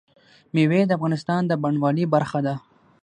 مېوې د افغانستان د بڼوالۍ برخه ده.